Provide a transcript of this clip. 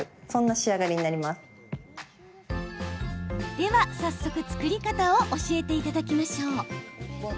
では、早速作り方を教えていただきましょう。